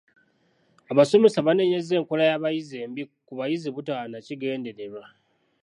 Abasomesa baanenyezza enkola y'abayizi embi ku bayizi butaba na kigendererwa.